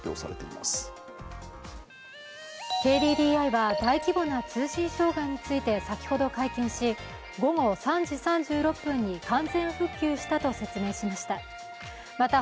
ＫＤＤＩは大規模な通信障害について先ほど会見し午後３時３６分に完全復旧したと説明しました。